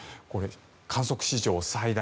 観測史上最大。